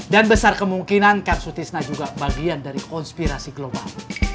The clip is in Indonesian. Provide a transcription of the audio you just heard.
dan besar kemungkinan kersutisna juga bagian dari konspirasi global